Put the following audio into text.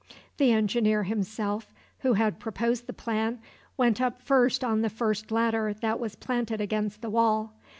The engineer himself, who had proposed the plan, went up first on the first ladder that was planted against the wall.